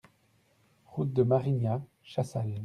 Route de Marignat, Chassal